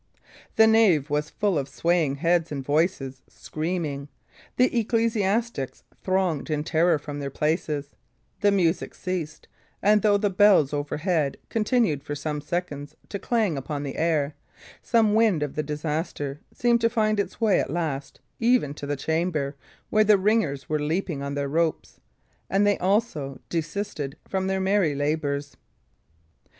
The nave was full of swaying heads and voices screaming; the ecclesiastics thronged in terror from their places; the music ceased, and though the bells overhead continued for some seconds to clang upon the air, some wind of the disaster seemed to find its way at last even to the chamber where the ringers were leaping on their ropes, and they also desisted from their merry labours.